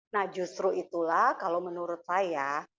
nah justru itulah kalau menurut saya